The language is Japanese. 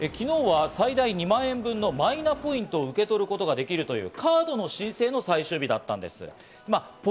昨日は最大２万円分のマイナポイントを受け取ることができるというカードの申請の最終日だったんです。